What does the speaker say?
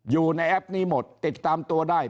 อยู่ในแอปนี้หมดติดตามตัวได้